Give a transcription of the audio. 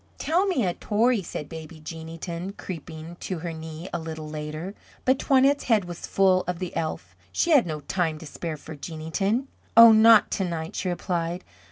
"Tell me a 'tory," said baby Jeanneton, creeping to her knee a little later. But Toinette's head was full of the elf; she had no time to spare for Jeanneton. "Oh, not to night," she replied.